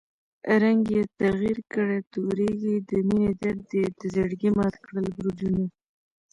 رنګ ئې تغير کړی تورېږي، دمېنی درد ئې دزړګي مات کړل برجونه